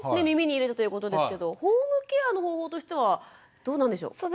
耳に入れたということですけどホームケアの方法としてはどうなんでしょう？